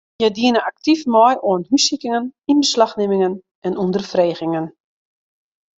Hja diene aktyf mei oan hússikingen, ynbeslachnimmingen en ûnderfregingen.